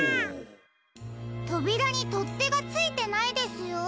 とびらにとってがついてないですよ。